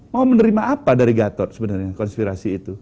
mau menerima apa dari gatot sebenarnya konspirasi itu